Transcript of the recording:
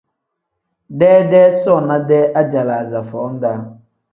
Deedee soona-dee ajalaaza foo -daa.